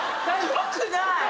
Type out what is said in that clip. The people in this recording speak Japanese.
よくない。